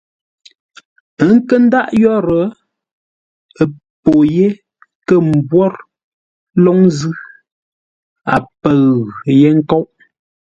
Ə́ nkə́ ndáʼ yórə́, pô yé kə̂ mbwór lóŋ zʉ́, a pə̂ʉ yé nkóʼ.